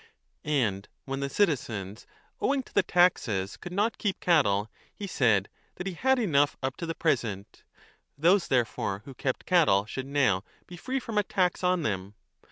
And when the citizens owing to the taxes could not keep cattle, he said that he had enough up to the present ; those therefore who kept cattle should now.be free from a tax on them.